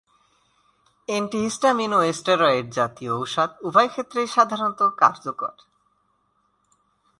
Antihistamine ও steroid জাতীয় ঔষধ উভয়ক্ষেত্রেই সাধারণত কার্যকর।